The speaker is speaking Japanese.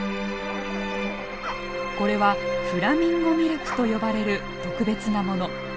これはフラミンゴミルクと呼ばれる特別なもの。